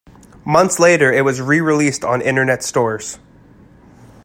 Months later it was re-released on Internet stores.